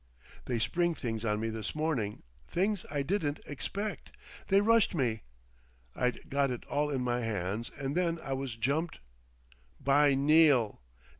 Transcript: "They sprung things on me this morning, things I didn't expect. They rushed me! I'd got it all in my hands and then I was jumped. By Neal!